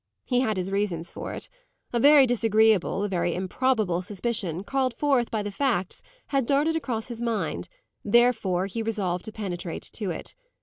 He had his reasons for it. A very disagreeable, a very improbable suspicion, called forth by the facts, had darted across his mind; therefore he resolved to penetrate to it.